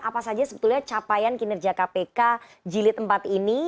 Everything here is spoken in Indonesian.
apa saja sebetulnya capaian kinerja kpk jilid empat ini